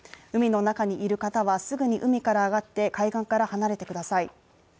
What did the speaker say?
海の中にいる方はすぐに海からあがって海岸から離れてください。